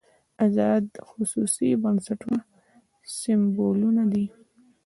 ازاد خصوصي بنسټونه سېمبولونه دي.